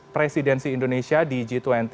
presidensi indonesia di g dua puluh